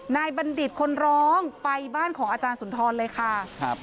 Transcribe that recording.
บัณฑิตคนร้องไปบ้านของอาจารย์สุนทรเลยค่ะครับ